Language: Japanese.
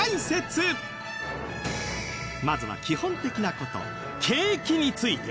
まずは基本的な事景気について